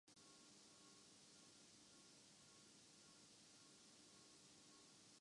حقائق کو توڑ مروڑ کر پیش کرنا شاید بی بی سی سے زیادہ کوئی نہیں جانتا